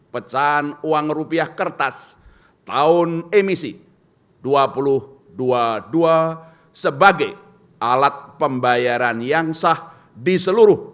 pecahan uang rupiah kertas tahun emisi dua ribu dua puluh dua sebagai alat pembayaran yang sah di seluruh